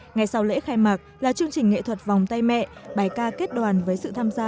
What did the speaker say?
ngày sau lễ khai mạc là chương trình nghệ thuật vòng tay mẹ bài ca kết đoàn với sự tham gia